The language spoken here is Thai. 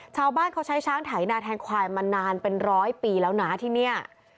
ชาวบ้านเขาใช้ช้างไถนาแทงควายมานานเป็นร้อยปีแล้วนะที่เนี่ย